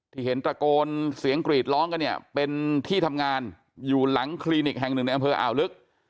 ที่เห็นตระโกนเสียงกรีดร้องกันเนี่ยเป็นที่ทำงานอยู่หลังคลินิกแห่งหนึ่งในอำเภออ่าวลึก